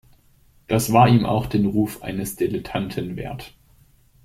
Das war ihm auch den Ruf eines Dilettanten wert.